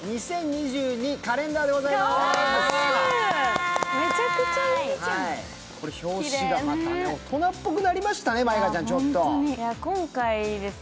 ２０２２年カレンダーでございます。